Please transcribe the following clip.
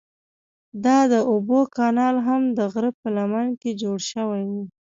دا د اوبو کانال هم د غره په لمنه کې جوړ شوی و.